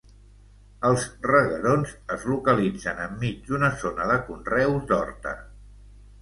Els Reguerons es localitzen enmig d’una zona de conreus d’horta.